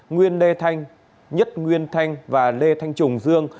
nguyên lê thanh nhất nguyên thanh và lê thanh trùng dương